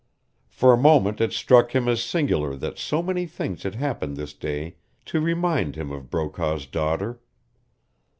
For a moment it struck him as singular that so many things had happened this day to remind him of Brokaw's daughter.